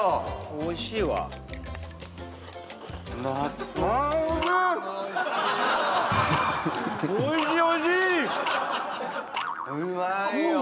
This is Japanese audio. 「おいしいよ！」